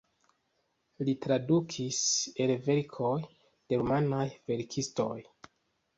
Li tradukis el verkoj de rumanaj verkistoj.